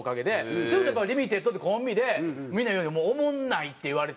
それこそリミテッドってコンビでみんなが言うように「おもんない」って言われて。